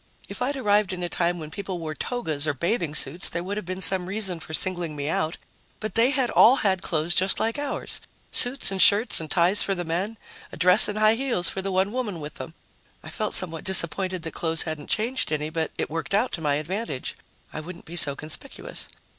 If I'd arrived in a time when people wore togas or bathing suits, there would have been some reason for singling me out, but they had all had clothes just like ours suits and shirts and ties for the men, a dress and high heels for the one woman with them. I felt somewhat disappointed that clothes hadn't changed any, but it worked out to my advantage; I wouldn't be so conspicuous.